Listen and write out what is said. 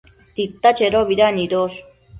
Tita chedobida nidosh?